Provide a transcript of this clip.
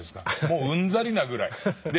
もううんざりなぐらい。